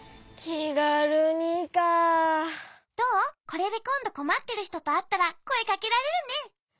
これでこんどこまってるひととあったらこえかけられるね。